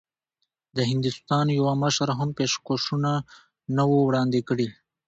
د هندوستان یوه مشر هم پېشکشونه نه وو وړاندي کړي.